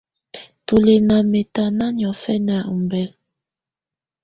Tù lɛ̀ ná mɛtana niɔ̀fɛna ɔmbɛla.